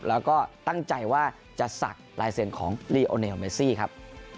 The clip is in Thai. แล้วก็ตั้งใจว่าจะสักรายเสียงของลีโอเนลเมซี่ครับ